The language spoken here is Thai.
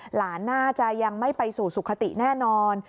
หลานน่าจะยังไม่ไปสู่สุขติแน่นอน